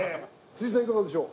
さんいかがでしょう。